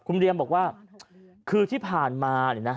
คุณเรียมบอกว่าคือที่ผ่านมาเนี่ยนะ